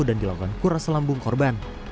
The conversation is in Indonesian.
dan dilakukan kuraselambung korban